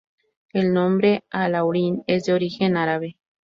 El nombre Alhaurín es de origen árabe.